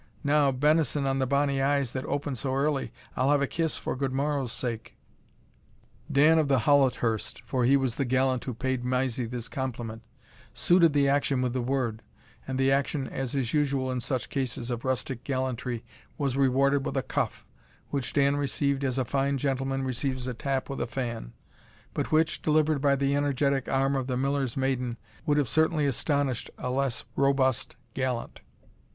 now, benison on the bonny eyes that open so early! I'll have a kiss for good morrow's sake." Dan of the Howlet hirst, for he was the gallant who paid Mysie this compliment, suited the action with the word, and the action, as is usual in such cases of rustic gallantry, was rewarded with a cuff, which Dan received as a fine gentleman receives a tap with a fan, but which, delivered by the energetic arm of the Miller's maiden, would have certainly astonished a less robust gallant.